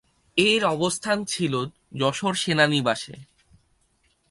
এর অবস্থান ছিল যশোর সেনানিবাসে।